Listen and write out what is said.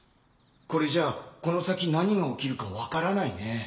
これじゃあこの先何が起きるか分からないね。